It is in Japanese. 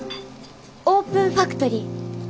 オープンファクトリー